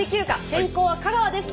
先攻は香川です。